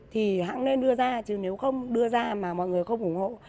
thì hãng nên đưa ra chứ nếu không đưa ra mà mọi người không ủng hộ